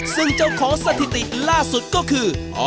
ซึ่งเจ้าของสถิติล่าสุดก็คือ